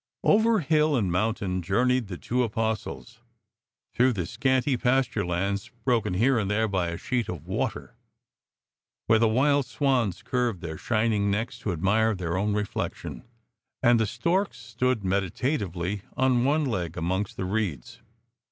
Over hill and mountain journeyed the two Apostles^ through the scanty pasture lands broken here and there by a sheet of water^ wLere the wild swans curved their sliining necks to admire their own reflection, and the storks stood meditatively on one leg amongst the reeds.